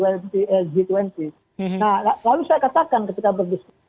nah lalu saya katakan ketika berdiskusi